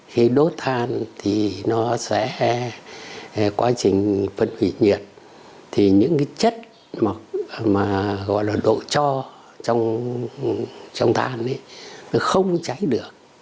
phân hủy nhiệt thì những chất độ cho trong than không cháy được